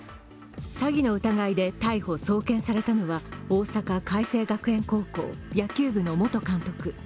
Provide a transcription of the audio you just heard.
詐欺の疑いで逮捕・送検されたのは大阪偕星学園高校・野球部の元監督